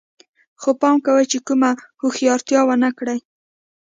خو پام کوئ چې کومه هوښیارتیا ونه کړئ